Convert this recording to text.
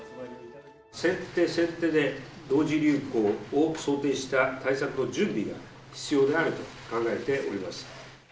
先手先手で同時流行を想定した対策の準備が必要であると考えております。